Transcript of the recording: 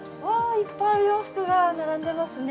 いっぱいお洋服が並んでますね。